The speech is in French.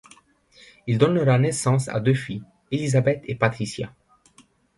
Elle donnera naissance à deux filles, Elizabeth et Patricia.